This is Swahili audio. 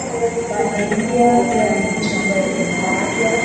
na india pia ni nchi ambayo ina